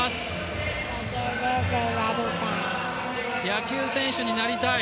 野球選手になりたい。